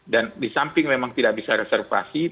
di samping memang tidak bisa reservasi